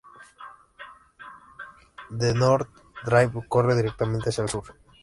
El North Hill Drive corre directamente hacia el sur.